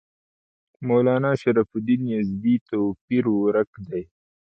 مولنا شرف الدین یزدي توپیر ورک دی.